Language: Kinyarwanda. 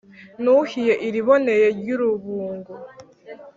Nuhiye iliboneye ry’urubungo,